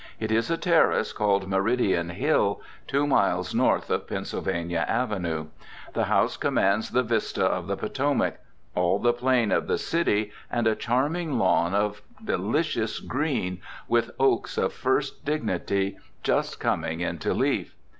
It is a terrace called Meridian Hill, two miles north of Pennsylvania Avenue. The house commands the vista of the Potomac, all the plain of the city, and a charming lawn of delicious green, with oaks of first dignity just coming into leaf.